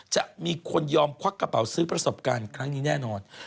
จะมีคนยอมควักกระเป๋าซื้อประสบการณ์ครั้งนี้แน่นอน